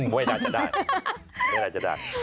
ไม่ได้จะได้